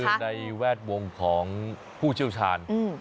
อยู่ในแวดวงของผู้เชี่ยวชาญ